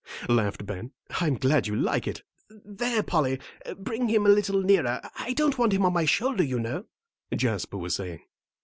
laughed Ben. "I'm glad you like it." "There, Polly, bring him a little nearer. I don't want him on my shoulder, you know," Jasper was saying.